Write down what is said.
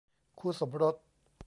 คู่สมรส